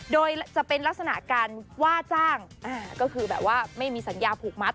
โดยจะเป็นลักษณะการว่าจ้างก็คือแบบว่าไม่มีสัญญาผูกมัด